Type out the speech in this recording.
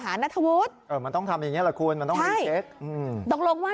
หาณธวุฒิมันต้องทำอย่างนี้แหละคุณมันต้องใช้ตรงลงว่า